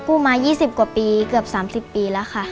กู้มายี่สิบกว่าปีเกือบสามสิบปีแล้วค่ะ